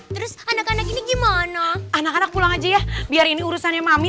terus anak anak ini gimana anak anak pulang aja ya biar ini urusannya mami